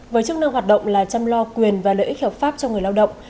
với chức năng hoạt động là chăm lo quyền và lợi ích hợp pháp cho người lao động